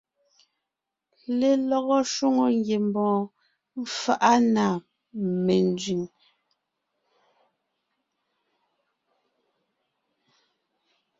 Lelɔgɔ shwòŋo ngiembɔɔn faʼa na menzẅìŋ.